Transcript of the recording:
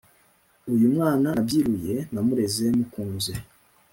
Uyu mwana nabyiruye Namureze mukunze